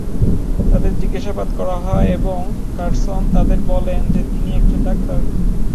তাদের জিজ্ঞাসাবাদ করা হয় এবং কারসন তাদের বলেন যে তিনি একজন ডাক্তার।